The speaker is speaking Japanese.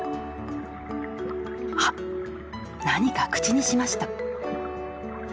あっ何か口にしました。